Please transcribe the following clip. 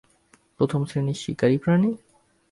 প্রথম শ্রেনীর শিকারী প্রাণী?